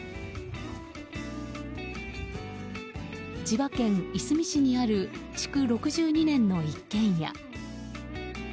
千葉県いすみ市にある築６２年の一軒家。